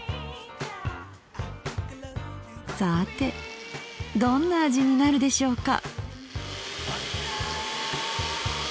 さてどんな味になるでしょうか。